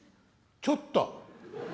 「ちょっと。